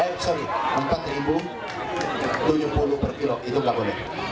eh sorry rp empat tujuh puluh per kilo itu nggak boleh